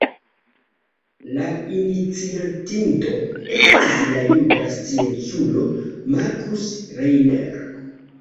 La iniciatinto estis la juda scienculo Markus Reiner.